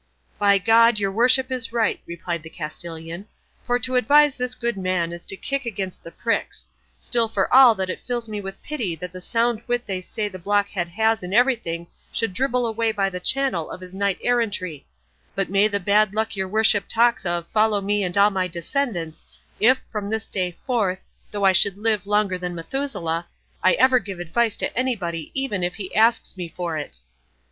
"By God, your worship is right," replied the Castilian; "for to advise this good man is to kick against the pricks; still for all that it fills me with pity that the sound wit they say the blockhead has in everything should dribble away by the channel of his knight errantry; but may the bad luck your worship talks of follow me and all my descendants, if, from this day forth, though I should live longer than Methuselah, I ever give advice to anybody even if he asks me for it."